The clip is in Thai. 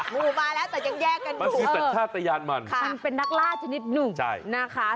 หนูมาแล้วแต่ยังแยกกันดูมันเป็นนักล่าชนิดหนูนะคะ